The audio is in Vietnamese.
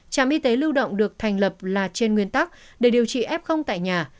trạm y tế lưu động được thành lập là trên nguyên tắc để điều trị f tại nhà